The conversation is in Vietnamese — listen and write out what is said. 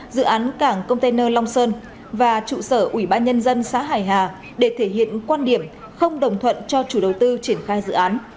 dự án cảng container long sơn và trụ sở ủy ban nhân dân xã hải hà để thể hiện quan điểm không đồng thuận cho chủ đầu tư triển khai dự án